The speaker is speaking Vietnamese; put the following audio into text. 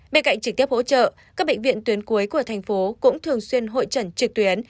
bên cạnh trực tiếp hỗ trợ các bệnh viện tuyến cuối của thành phố cũng thường xuyên hội trần trực tuyến